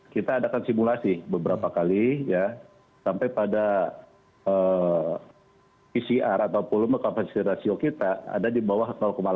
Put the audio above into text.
kita adakan simulasi beberapa kali ya sampai pada pcr atau volume kapasitas rasio kita ada di bawah delapan